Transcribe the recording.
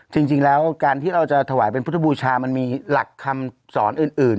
จริงแล้วการที่เราจะถวายเป็นพุทธบูชามันมีหลักคำสอนอื่น